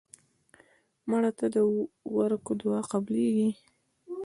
مړه ته د ورکو دعا قبلیږي